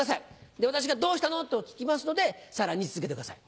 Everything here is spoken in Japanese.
で私が「どうしたの？」と聞きますのでさらに続けてください。